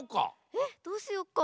えっどうしよっか？